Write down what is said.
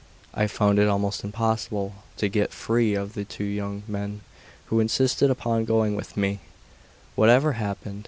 I found it almost impossible to get free of the two young men, who insisted upon going with me, whatever happened.